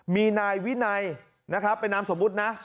มีนายวินัยเป็นน้ำสมมุตินะ